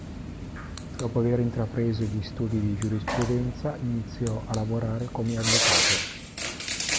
Dopo aver intrapreso gli studi di giurisprudenza iniziò a lavorare come avvocato.